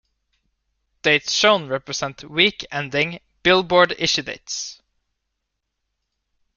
Dates shown represent "week-ending" "Billboard" issue dates.